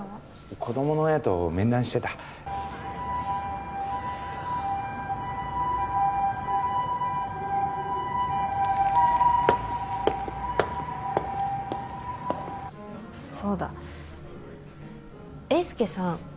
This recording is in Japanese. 子どもの親と面談してたそうだ英介さん